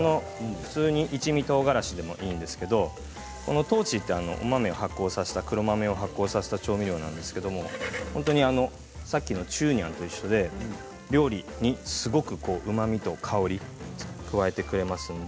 普通に一味とうがらしでもいいんですけど豆鼓ってお豆発酵させた黒豆を発酵させた調味料なんですけどさっきの酒醸と一緒で料理にすごくうまみと香り加えてくれます。